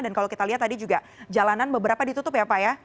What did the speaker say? dan kalau kita lihat tadi juga jalanan beberapa ditutup ya pak ya